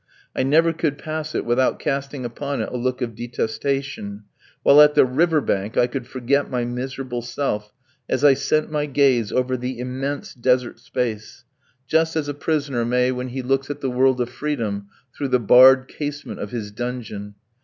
I never could pass it without casting upon it a look of detestation; while at the river bank I could forget my miserable self as I sent my gaze over the immense desert space, just as a prisoner may when he looks at the world of freedom through the barred casement of his dungeon.